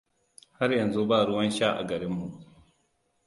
Har yanzu ba ruwan sha a garinmu.